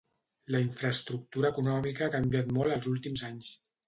La infraestructura econòmica ha canviat molt els últims anys.